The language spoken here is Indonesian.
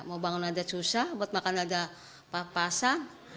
mau bangun saja susah buat makan saja pasang